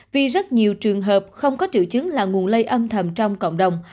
vì rất nhiều trường hợp không có triệu chứng là nguồn lây âm thầm trong cộng đồng